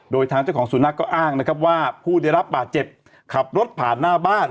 โดยทางเจ้าของสุนัขก็อ้างนะครับว่าผู้ได้รับบาดเจ็บขับรถผ่านหน้าบ้าน